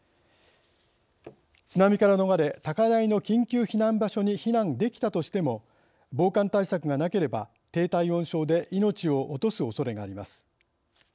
津波から逃れ高台の緊急避難場所に避難できたとしても防寒対策がなければ低体温症で命を落とす恐れがあります。